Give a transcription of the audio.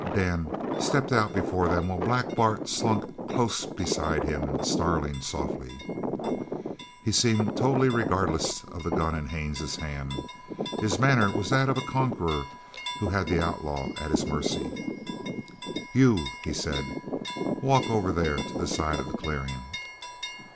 Dan stepped out before them while Black Bart slunk close beside him, snarling softly. He seemed totally regardless of the gun in Haines's hand. His manner was that of a conqueror who had the outlaw at his mercy. "You," he said, "walk over there to the side of the clearing."